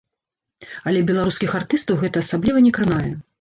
Але беларускіх артыстаў гэта асабліва не кранае.